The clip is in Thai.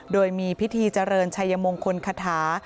โดยมีพิธีเจริญชัยมงคลคาถา